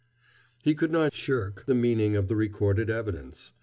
He could not shirk the meaning of the recorded evidence.